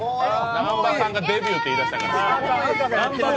南波さんがデビューって言い出したから。